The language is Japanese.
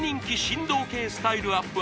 振動系スタイルアップ